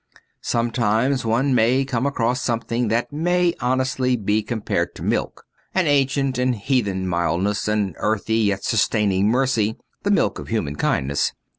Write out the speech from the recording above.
Some times one may come across something that may honestly be compared to milk, an ancient and heathen mildness, an earthly yet sustaining mercy — the milk of human kindness.